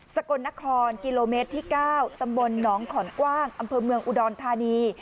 กลนครกิโลเมตรที่๙ตำบลหนองขอนกว้างอำเภอเมืองอุดรธานี